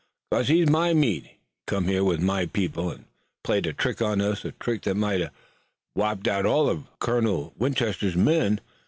"'Cause he's my meat. He come here with my people, an' played a trick on us, a trick that might hev wiped out all uv Colonel Winchester's men.